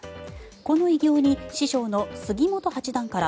この偉業に師匠の杉本八段から